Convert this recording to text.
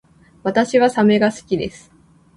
私はサメが好きです